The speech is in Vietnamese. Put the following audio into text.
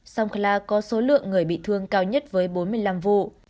songkla có số lượng người bị thương cao nhất với bốn mươi năm vụ